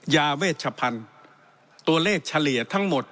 ยาเวชพันธุ์ตัวเลขเฉลี่ยทั้งหมด